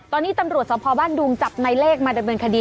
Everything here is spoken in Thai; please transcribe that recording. ตอนนี้ตำรวจสภบ้านดุงจับในเลขมาดำเนินคดี